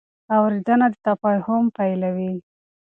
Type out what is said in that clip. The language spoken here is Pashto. اورېدنه د تفاهم پیلوي.